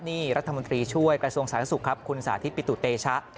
นี่รัฐมนตรีช่วยกระทรวงศาลยศุรกรรมคุณสาธิตปิปิตุเตชะ